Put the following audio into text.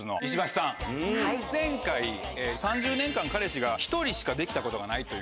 前回３０年間彼氏が１人しかできたことがないという。